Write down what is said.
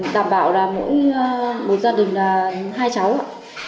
đảm bảo là mỗi một gia đình là hai cháu ạ